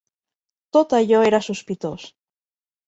Tot allò era sospitós